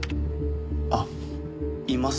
あっいます。